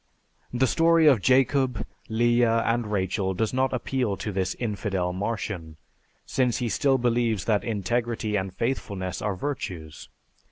The story of Jacob, Leah, and Rachel does not appeal to this infidel Martian, since he still believes that integrity and faithfulness are virtues.